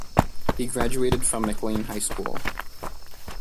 He graduated from McLane High School.